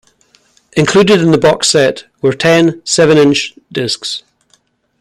Included in the boxset were ten seven-inch discs.